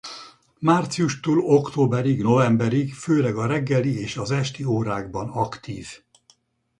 Márciustól októberig-novemberig főleg a reggeli és az esti órákban aktív.